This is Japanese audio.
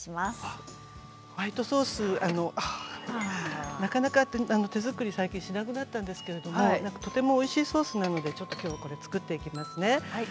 ホワイトソースなかなか手作り最近しなくなったんですけれどもとってもおいしいソースなのできょうは作っていきますね。